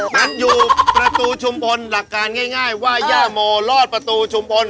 นั้นอยู่ประตูชุมพลหลักการง่ายว่าย่าโมรอดประตูชุมพล